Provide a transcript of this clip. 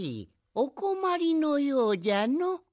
おこまりのようじゃの。